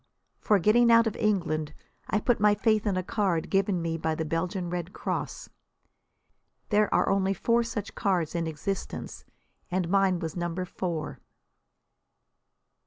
For getting out of England I put my faith in a card given me by the Belgian Red Cross. There are only four such cards in existence, and mine was number four.